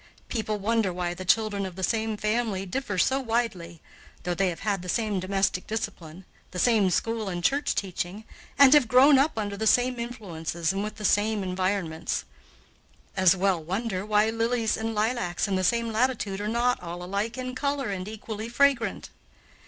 People wonder why the children of the same family differ so widely, though they have had the same domestic discipline, the same school and church teaching, and have grown up under the same influences and with the same environments. As well wonder why lilies and lilacs in the same latitude are not all alike in color and equally fragrant.